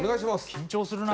緊張するな。